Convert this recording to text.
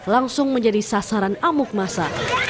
langsung menjadi sasaran amuk masa